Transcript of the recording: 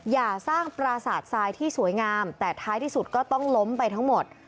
อย่าสร้างปราสาททรายที่สวยงามแต่ท้ายที่สุดก็ต้องล้มไปทั้งหมด